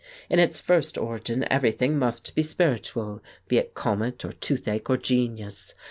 In its first origin everything must be spiritual, be it comet or toothache or genius.